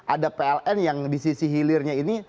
ada pln yang di sisi hilirnya ini